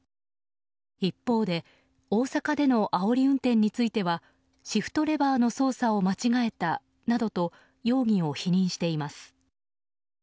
一方で大阪でのあおり運転についてはシフトレバーの操作を間違えたなどと容疑を否認しています。